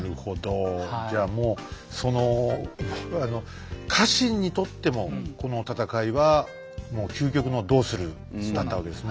じゃあもうその家臣にとってもこの戦いは究極の「どうする」だったわけですね。